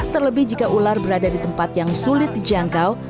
terlebih jika ular berada di tempat yang sulit dijangkau